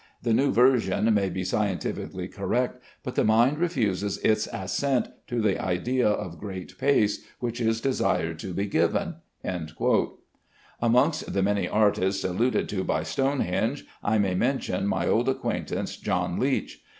The new version may be scientifically correct, but the mind refuses its assent to the idea of great pace which is desired to be given." Amongst the "many artists" alluded to by Stonehenge I may mention my old acquaintance John Leech.